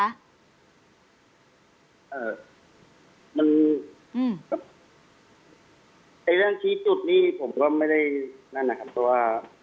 ไอ้เรื่องชี้จุดนี่ผมก็ไม่ได้นั่นนะครับเพราะว่า